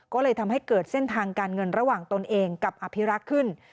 ก็เลยทำให้เกิดเส้นทางการเงินระหว่างตนเองกับอภิรักษ์ขึ้น